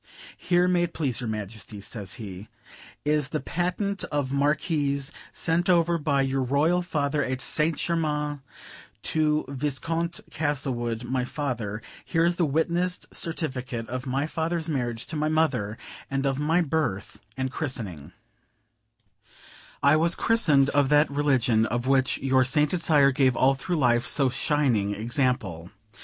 "Here, may it please your Majesty," says he, "is the Patent of Marquis sent over by your Royal Father at St. Germains to Viscount Castlewood, my father: here is the witnessed certificate of my father's marriage to my mother, and of my birth and christening; I was christened of that religion of which your sainted sire gave all through life so shining example.